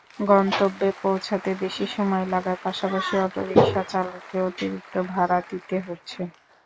গন্তব্যে পৌঁছাতে বেশি সময় লাগার পাশাপাশি আটোরিকশাচালককে অতিরিক্ত ভাড়া দিতে হচ্ছে।